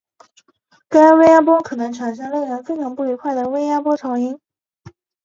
该微压波可能产生令人非常不愉悦的微压波噪音。